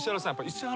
石原